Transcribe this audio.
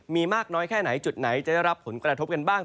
มีมากน้อยแค่ไหนจุดไหนจะได้รับผลกระทบกันบ้าง